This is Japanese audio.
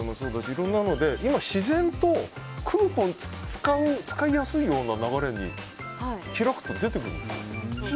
いろんなので今、自然とクーポン使いやすいような流れに開くと出てくるんですよ。